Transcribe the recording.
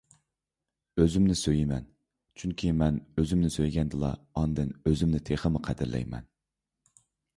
ئۆزۈمنى سۆيىمەن، چۈنكى مەن ئۆزۈمنى سۆيگەندىلا ئاندىن ئۆزۈمنى تېخىمۇ قەدىرلەيمەن.